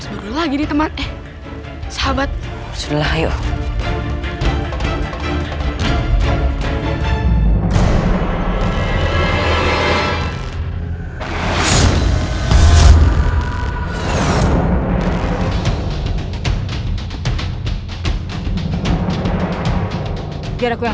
assalamualaikum warahmatullah wabarakatuh